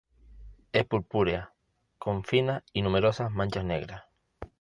Es purpúrea, con finas y numerosas manchas negras.